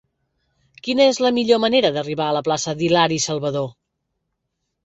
Quina és la millor manera d'arribar a la plaça d'Hilari Salvadó?